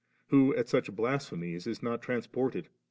who at such blas phemies is not transported